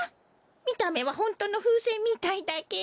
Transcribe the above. みためはホントのふうせんみたいだけど。